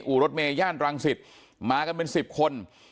อู่รถเมย่ย่านรังศิษฐ์มากันเป็น๑๐คน